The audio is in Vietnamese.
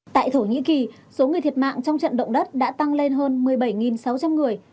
tại thổ nhĩ kỳ số người thiệt mạng trong trận động đất đã tăng lên hơn một mươi bảy sáu trăm linh người